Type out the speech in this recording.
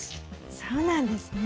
そうなんですね。